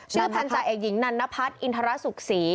พันธาเอกหญิงนันนพัฒน์อินทรสุขศรี